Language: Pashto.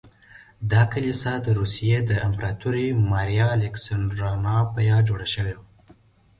دا کلیسا د روسیې د امپراتورې ماریا الکساندرونا په یاد جوړه شوې وه.